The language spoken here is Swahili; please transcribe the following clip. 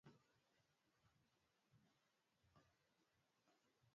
omhusisha na ghasia za baada ya uchaguzi